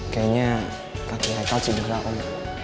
kayaknya kaki haikal cedera om